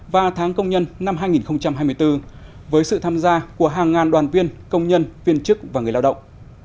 và tháng công nhân năm hai nghìn hai mươi bốn với sự tham gia của hàng ngàn đoàn viên công nhân viên chức và người lao động